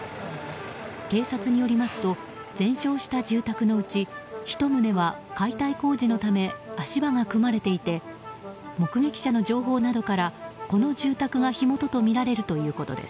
警察によりますと全焼した住宅のうち１棟は解体工事のため足場が組まれていて目撃者の情報などからこの住宅が火元とみられるということです。